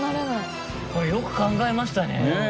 これよく考えましたね。